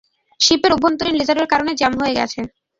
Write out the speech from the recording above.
শিপের অভ্যন্তরীন লেজারের কারণে জ্যাম হয়ে গেছে!